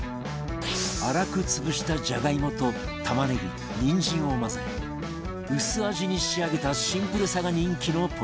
粗く潰したジャガイモと玉ねぎニンジンを混ぜ薄味に仕上げたシンプルさが人気のポイント